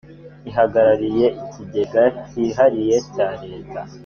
ihagarariye ikigega cyihariye cya leta